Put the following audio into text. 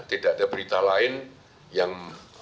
tidak ada berita lain yang